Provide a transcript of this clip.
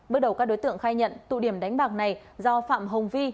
bước đầu các đối tượng khai nhận tụ điểm đánh bạc này do phạm hồng vi